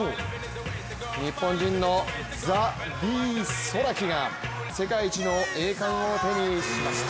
日本のＴＨＥＤＳｏｒａＫｉが世界一の栄冠を手にしました。